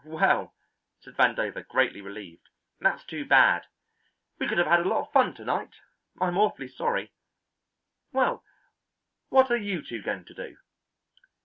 "Well," said Vandover, greatly relieved, "that's too bad. We could have had a lot of fun to night. I'm awfully sorry. Well, what are you two going to do?"